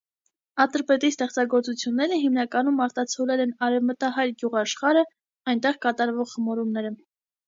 Ատրպետի ստեղծագործությունները հիմնականում արտացոլել են արևմտահայ գյուղաշխարհը, այնտեղ կատարվող խմորումները։